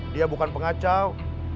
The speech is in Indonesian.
dia bukan pengacau